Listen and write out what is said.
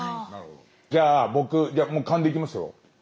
じゃあ僕もう勘でいきますよ。